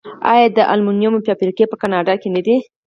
آیا د المونیم فابریکې په کاناډا کې نه دي؟